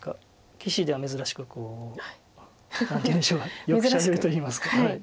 棋士では珍しく何というんでしょうかよくしゃべるといいますか。